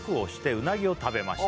「うなぎを食べました」